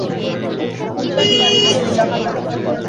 সৃষ্টিকর্তার দয়া দেখ, তুমি এখানে আট মাসের অন্তঃসত্ত্বা হয়েই এসেছ।